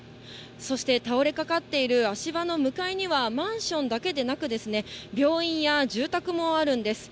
そして倒れかかっている足場の向かいには、マンションだけでなくですね、病院や住宅もあるんです。